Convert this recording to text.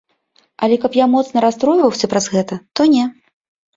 Але каб я моцна расстройваўся праз гэта, то не.